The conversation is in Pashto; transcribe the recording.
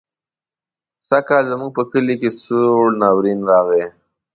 سږکال زموږ په کلي کې سوړ ناورين راغی.